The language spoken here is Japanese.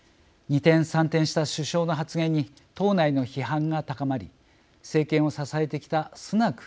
二転三転した首相の発言に党内の批判が高まり政権を支えてきたスナク